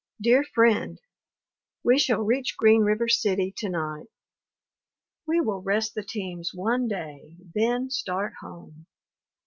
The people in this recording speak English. DEAR FRIEND, We shall reach Green River City to night. We will rest the teams one day, then start home.